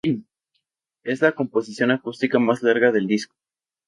Es la composición acústica más larga del disco.